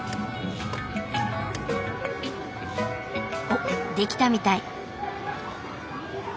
おっ出来たみたい。